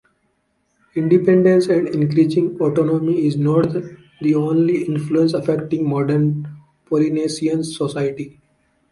Independence and increasing autonomy is not the only influence affecting modern Polynesian society.